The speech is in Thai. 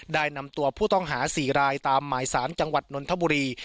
ได้นำตัวผู้ต้องหา๔รายตามหมายสารจังหวัดนนทบุรี